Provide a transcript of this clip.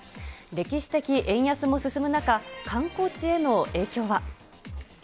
歴史的円安も進む中、観光地への影響は。